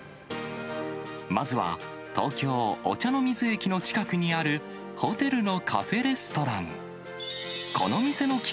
まずは、東京・御茶ノ水駅の近くにある、ホテルのカフェレストラン。